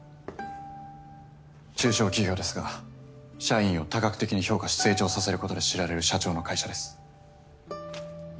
中小企業ですが社員を多角的に評価し成長させることで知られる社長の会社です。